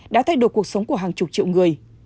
đã thay đổi cuộc sống của hàng chục triệu người